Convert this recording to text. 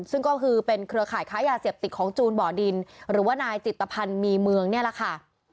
ซึ่งก็คือเป็นเครือข่ายค้ายาเสพติดของจูนบ่อดินหรือว่านายจิตภัณฑ์มีเมืองนี่แหละค่ะ